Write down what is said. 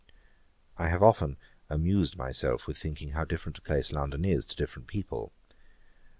I have often amused myself with thinking how different a place London is to different people.